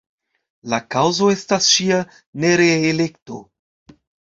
La kaŭzo estas ŝia nereelekto.